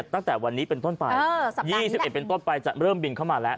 ตั้งแต่วันนี้เป็นต้นไป๒๑เป็นต้นไปจะเริ่มบินเข้ามาแล้ว